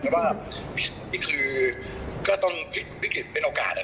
แต่ว่าคือก็ต้องพลิกวิกฤตเป็นโอกาส